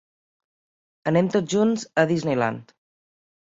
Anem tots junts a Disney Land.